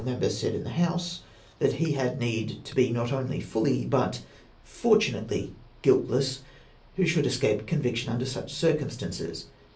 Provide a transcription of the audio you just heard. member said in the House — that OPINIONS OF THE PKESS. 483 he had need to be not only fully, but fortunately guiltless, ' who should escape conviction under such circumstances.